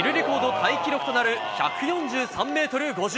タイ記録となる１４３ｍ５０。